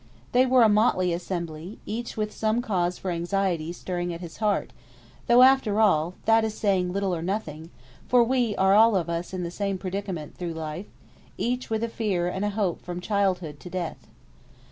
They were a motley assembly, each with some cause for anxiety stirring at his heart; though, after all, that is saying little or nothing, for we are all of us in the same predicament through life; each with a fear and a hope from childhood to death.